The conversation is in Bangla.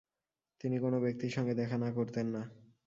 তিনি কোন ব্যক্তির সঙ্গে দেখা না করতেন না।